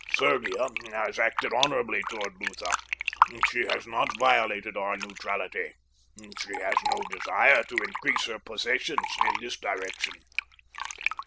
Serbia has acted honorably toward Lutha. She has not violated our neutrality. She has no desire to increase her possessions in this direction.